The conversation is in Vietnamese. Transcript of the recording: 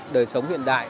đời sống hiện đại